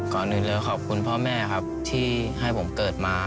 ก่อนอื่นเลยขอบคุณพ่อแม่ครับที่ให้ผมเกิดมา